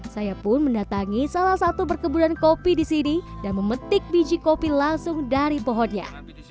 saya pun mendatangi salah satu perkebunan kopi di sini dan memetik biji kopi langsung dari pohonnya